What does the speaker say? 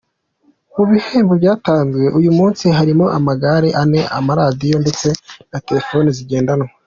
Mu bihembo byatanzwe uyu munsi harimo amagare ane, amaradiyo ndetse na terefone zigendanwa.